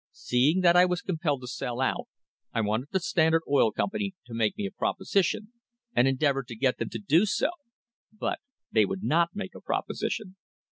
" Seeing that I was compelled to sell out, I wanted the Standard Oil Company to make me a proposition, and endeavoured to get them to do so, but they would not make a proposition.